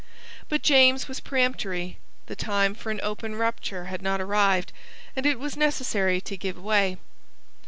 But James was peremptory; the time for an open rupture had not arrived; and it was necessary to give way.